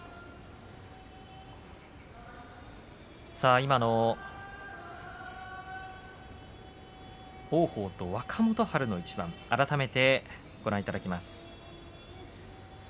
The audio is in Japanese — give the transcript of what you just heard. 今の王鵬と若元春の一番を改めてご覧いただきます。